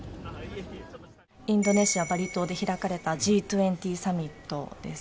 インドネシア・バリ島で開かれたＧ２０サミットです。